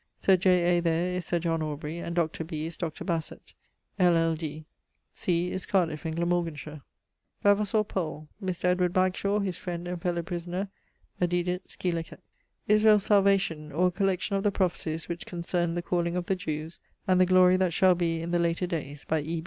'Sir J. A.' there is Sir John Aubrey; and 'Dr. B.' is Dr. Basset, LL.D.; 'C.' is Caerdif in Glamorganshire. Vavasour Powell Mr. Edward Bagshawe, his friend and fellow prisoner, edidit scil.: 'Israel's Salvation, or a collection of the prophecies which concern the calling of the Jewes and the glory that shall be in the later dayes,' by E.